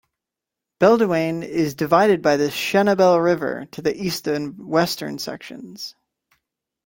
Beledweyne is divided by the Shebelle River into eastern and western sections.